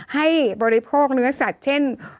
บริโภคเนื้อสัตว์เช่น